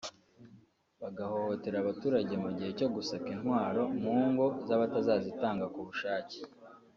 bagahohotera abaturage mu gihe cyo gusaka intwaro mu ngo z’abatazazitanga ku bushake